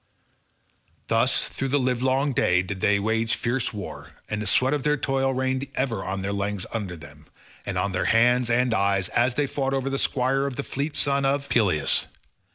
Thus through the livelong day did they wage fierce war, and the sweat of their toil rained ever on their legs under them, and on their hands and eyes, as they fought over the squire of the fleet son of Peleus.